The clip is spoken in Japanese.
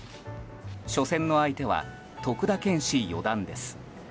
初戦の相手は徳田拳士四段です。